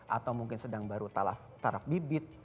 atau mungkin sedang baru taraf bibit